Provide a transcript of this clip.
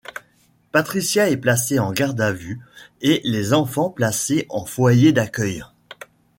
Patricia est placée en garde-à-vue et les enfants placés en foyer d'accueil.